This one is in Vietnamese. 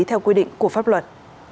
theo quy định của pháp luật